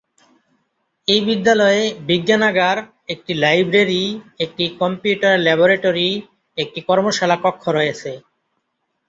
এই বিদ্যালয়ে বিজ্ঞানাগার, একটি লাইব্রেরী, একটি কম্পিউটার ল্যাবরেটরি, একটি কর্মশালা কক্ষ রয়েছে।